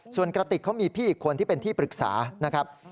ส่วนกระติกเขามีพี่อีกคนที่เป็นที่ปรึกษานะครับ